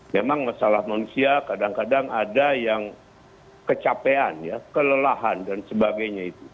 memang masalah manusia kadang kadang ada yang kecapean ya kelelahan dan sebagainya itu